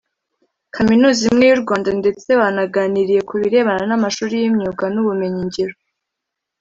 Kaminuza imwe y’ u Rwanda ndetse banaganiriye kubirebana n’amashuri y’imyuga n’ubumenyi ngiro